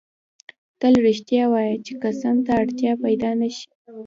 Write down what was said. تل رښتیا وایه چی قسم ته اړتیا پیدا نه سي